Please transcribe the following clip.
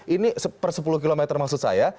ini per sepuluh km maksud saya